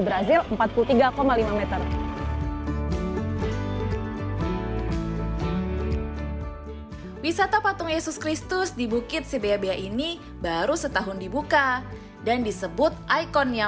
brazil empat puluh tiga lima m wisata patung yesus kristus di bukit sibeabia ini baru setahun dibuka dan disebut ikonnya